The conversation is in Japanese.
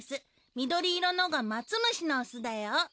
緑色のがマツムシのオスだよ。